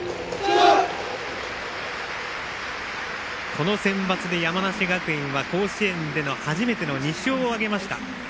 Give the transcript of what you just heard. このセンバツで山梨学院は甲子園での初めての２勝を挙げました。